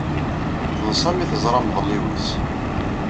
Teḍsa mi teẓra amḍelliw-is.